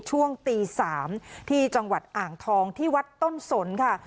ช่วงตี๓ที่จังหวัดอ่างทองที่วัดต้นสนค่ะ